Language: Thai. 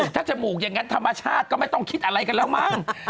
ถ้าจมูกอย่างนั้นธรรมชาติก็ไม่ต้องคิดอะไรกันแล้วมั้ง